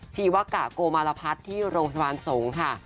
ชีวกะโกมารพัฒน์ที่โรงพยาบาลสงฆ์ค่ะ